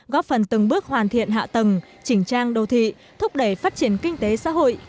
góp phần từng bước hoàn thiện hạ tầng chỉnh trang đô thị thúc đẩy phát triển kinh tế xã hội